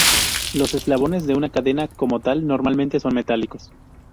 Los eslabones de una cadena como tal normalmente son metálicos.